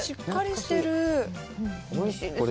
おいしいです。